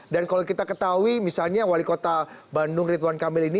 dan kalau kita ketahui misalnya wali kota bandung ridwan kamil ini